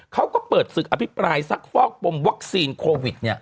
เขาก็เปิดศึกอภิปรายซักฟอกปมวัคซีนโควิด